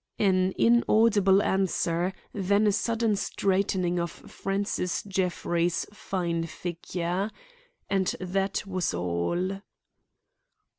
An inaudible answer; then a sudden straightening of Francis Jeffrey's fine figure. And that was all.